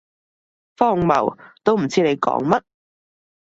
荒謬，都唔知你講乜